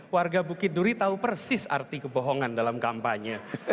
warga bukit duri tahu persis arti kebohongan dalam kampanye